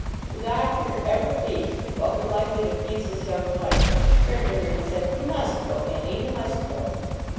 The Doctor, ever pleased with what was likely to please his young wife, turned to her and said: 'You must go, Annie. You must go.